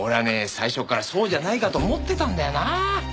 最初からそうじゃないかと思ってたんだよなあ。